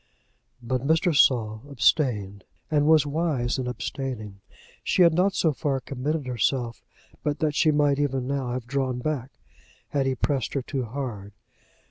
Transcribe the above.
But Mr. Saul abstained, and was wise in abstaining. She had not so far committed herself, but that she might even now have drawn back, had he pressed her too hard.